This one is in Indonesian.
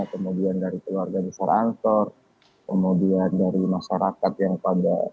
kemudian dari keluarga besar ansor kemudian dari masyarakat yang pada